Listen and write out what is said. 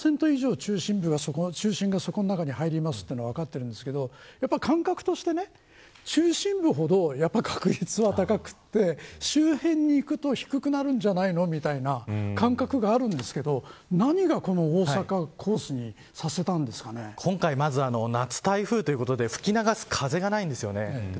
予報円７０％以上中心部がそこの中に入りますと今、分かってるんですがやっぱり感覚として中心部ほど確率は高くて周辺にいくと低くなるんじゃないのみたいな感覚があるんですけど何が大阪コースに今回、まず夏台風ということで吹き流す風がないんですよね。